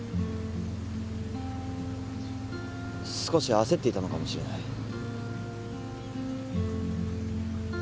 少し焦っていたのかもしれない。